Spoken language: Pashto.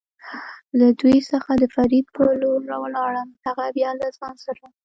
له دوی څخه د فرید په لور ولاړم، هغه بیا له ځان سره.